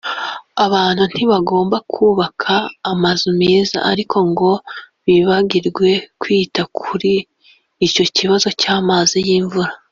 Abantu ntibagomba kubaka amazu meza ariko ngo bibagirwe kwita kuri icyo kibazo cy’amazi y’imvura